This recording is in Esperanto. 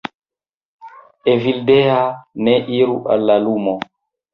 Evildea, ne iru al la lumo!